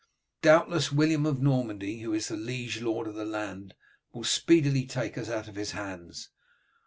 Doubtless William of Normandy, who is the liege lord of the land, will speedily take us out of his hands.